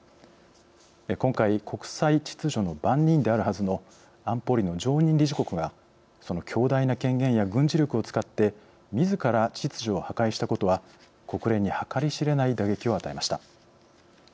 今回国際秩序の番人であるはずの安保理の常任理事国がその強大な権限や軍事力を使ってみずから秩序を破壊したことは国連に計り知れない打撃を与えました。